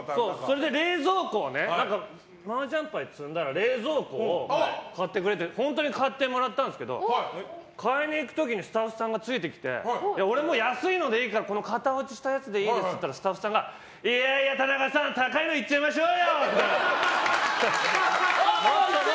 マージャン牌を積んだら冷蔵庫を買ってくれて本当に買ってもらったんですけど買いに行く時スタッフさんがついてきて型落ちしたやつでいいですって言ったらスタッフさんがいやいや、田中さん高いのいっちゃいましょうよって。